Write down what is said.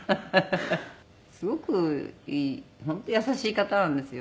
すごくいい本当優しい方なんですよ。